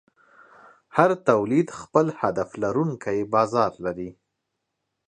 هر تولید خپل هدف لرونکی بازار لري.